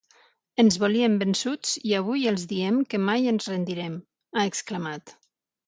Ens volien vençuts i avui els diem que mai ens rendirem, ha exclamat.